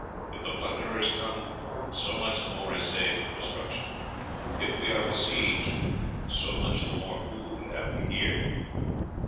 If the plunderers come, so much the more is saved from destruction; if we are besieged, so much the more food have we here.